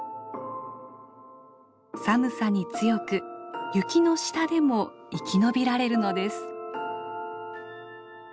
寒さに強く雪の下でも生き延びられるのです。